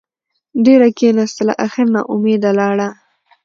ډېره کېناستله اخېر نااوميده لاړه.